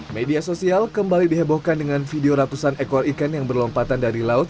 media sosial kembali dihebohkan dengan video ratusan ekor ikan yang berlompatan dari laut